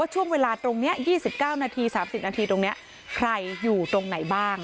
ช่วงเวลาตรงนี้๒๙นาที๓๐นาทีตรงนี้ใครอยู่ตรงไหนบ้าง